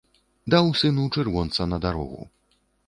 Даў сыну чырвонца на дарогу.